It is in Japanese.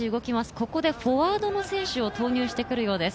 ここでフォワードの選手を投入してくるようです。